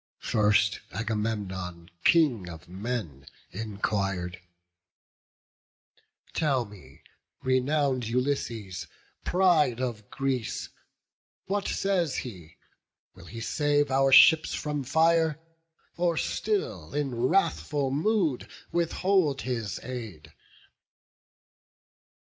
First Agamemnon, King of men, enquir'd: "Tell me, renown'd Ulysses, pride of Greece, What says he: will he save our ships from fire, Or still, in wrathful mood, withhold his aid?"